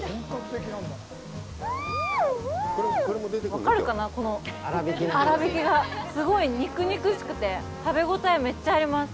分かるかな、この粗びきがすごい肉々しくて、食べ応えめっちゃあります。